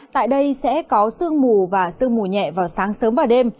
tại đây sẽ có sương mù và sương mù nhẹ vào sáng sớm và đêm